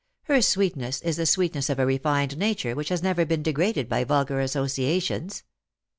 Her sweetness is the sweetness of a refined nature which has never been degraded by vulgar associations."